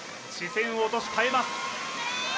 視線を落とし耐えます